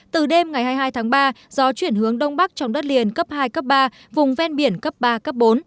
từ đêm ngày hai mươi hai tháng ba gió chuyển hướng đông bắc trong đất liền cấp hai cấp ba vùng ven biển cấp ba cấp bốn